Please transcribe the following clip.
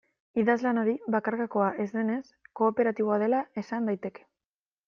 Idazlan hori, bakarkakoa ez denez, kooperatiboa dela esan daiteke.